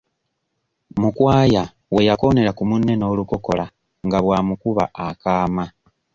Mukwaya we yakoonera ku munne n'olukokola nga bw'amukuba akaama.